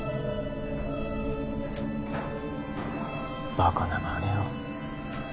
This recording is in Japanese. バカなまねを。